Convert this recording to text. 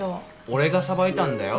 俺がさばいたんだよ。